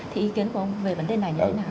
thì ý kiến của ông về vấn đề này như thế nào